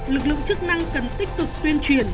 lực lượng chức năng cần tích cực tuyên truyền